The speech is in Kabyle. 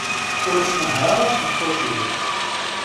Ur tnehher ara tmeṭṭut-iw.